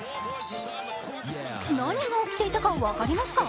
何が起きていたか分かりますか？